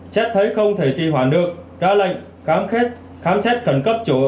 xét thấy không thể kỳ hoạn được ra lệnh khám xét thành cấp